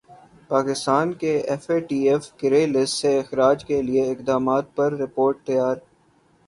پاکستان کے F A T F grey list سے اخراج کیلئے اقدامات پر رپورٹ تیار